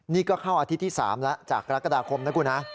นี่ก็เข้าอาทิตย์ที่๓แล้วจากกรกฎาคมนะคุณฮะ